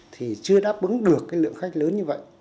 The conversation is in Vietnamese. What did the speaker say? thì chưa đáp ứng được cái lượng khách lớn như vậy